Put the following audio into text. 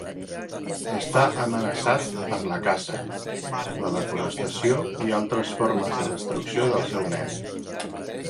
Està amenaçat per la caça, la desforestació i altres formes de destrucció del seu medi.